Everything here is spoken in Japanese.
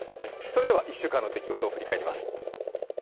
それでは１週間の出来事を振り返ります。